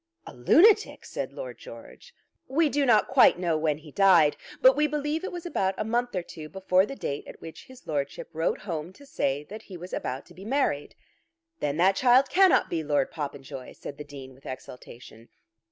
"A lunatic!" said Lord George. "We do not quite know when he died, but we believe it was about a month or two before the date at which his Lordship wrote home to say that he was about to be married." "Then that child cannot be Lord Popenjoy," said the Dean with exultation.